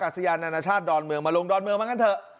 ไปที่ท่ากาศยานานาชาติดอนเมืองมาลงดอนเมืองมากันเถอะ